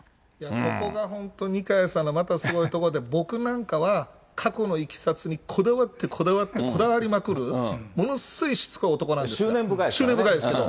ここが本当、二階さんのまたすごいところで、僕なんかは、過去のいきさつにこだわって、こだわって、こだわりまくる、執念深いですからね。